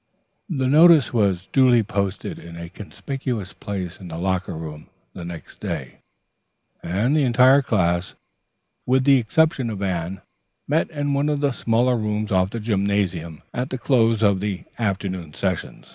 The notice was duly posted in a conspicuous place in the locker room the next day, and the entire class, with the exception of Anne, met in one of the smaller rooms off the gymnasium at the close of the afternoon session.